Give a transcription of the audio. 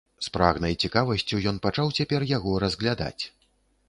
З прагнай цікавасцю ён пачаў цяпер яго разглядаць.